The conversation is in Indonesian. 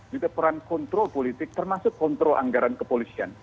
juga peran kontrol politik termasuk kontrol anggaran kepolisian